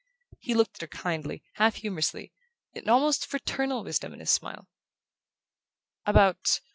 He looked at her kindly, half humourously, an almost fraternal wisdom in his smile. "About